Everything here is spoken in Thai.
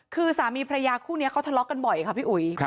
คือสามีพระยาคู่นี้เขาทะเลาะกันบ่อยค่ะพี่อุ๋ย